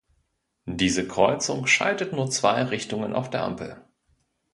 Diese Kreuzung schaltet nur zwei Richtungen auf der Ampel.